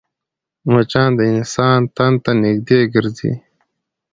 مچان د انسان تن ته نږدې ګرځي